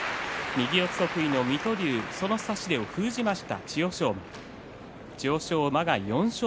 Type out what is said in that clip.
右四つ得意の水戸龍その差し手を封じました